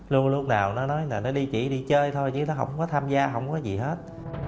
luôn lúc nào nó nói là nó đi chỉ đi chơi thôi chứ nó không có tham gia không có gì hết